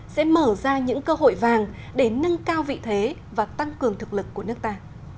sẽ mở ra những cơ hội vàng để nâng cao vị thế và tăng cường thực lực của nước ta